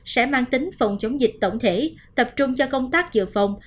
sẽ mang tính phòng chống dịch tổng thể tập trung cho công tác dự phòng